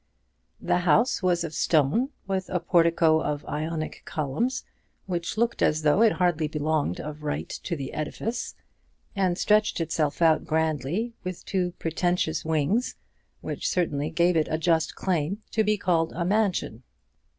The house was of stone, with a portico of Ionic columns which looked as though it hardly belonged of right to the edifice, and stretched itself out grandly, with two pretentious wings, which certainly gave it a just claim to be called a mansion.